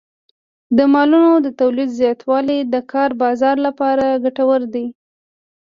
د مالونو د تولید زیاتوالی د کار بازار لپاره ګټور دی.